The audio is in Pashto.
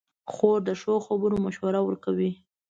خور د ښو خبرو مشوره ورکوي.